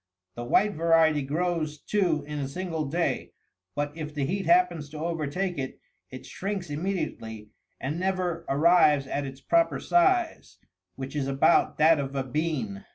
64 The white variety grows, too, in a single day, but if the heat happens to overtake it, it shrinks immediately, and never arrives at its proper size, which is about that of a bean.